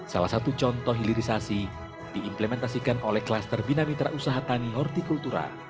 salah satu contoh hilirisasi diimplementasikan oleh klaster binamitra usaha tani hortikultura